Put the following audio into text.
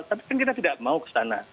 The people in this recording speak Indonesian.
tapi kan kita tidak mau ke sana